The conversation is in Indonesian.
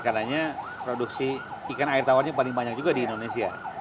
karena produksi ikan air tawarnya paling banyak juga di indonesia